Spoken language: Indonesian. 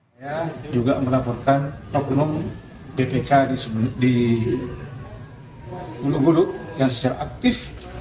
saya juga melaporkan oknum ppk di gulug gulug yang secara aktif